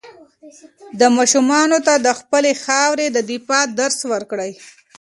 ماشومانو ته د خپلې خاورې د دفاع درس ورکړئ.